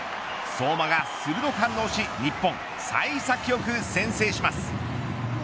相馬が鋭く反応し日本、幸先よく先制します。